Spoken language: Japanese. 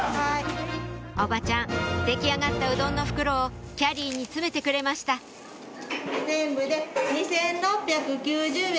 おばちゃん出来上がったうどんの袋をキャリーに詰めてくれました全部で。